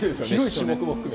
種目も含め。